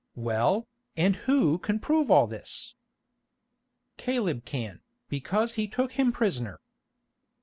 "Well, and who can prove all this?" "Caleb can, because he took him prisoner."